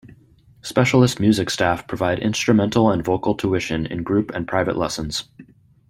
Specialist music staff provide instrumental and vocal tuition in group and private lessons.